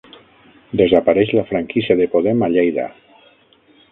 Desapareix la franquícia de Podem a Lleida